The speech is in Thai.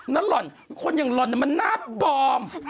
หล่อนคนอย่างหล่อนมันหน้าปลอม